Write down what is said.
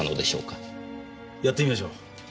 やってみましょう。